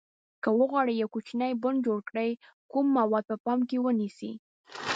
که وغواړئ یو کوچنی بڼ جوړ کړئ کوم موارد په پام کې ونیسئ.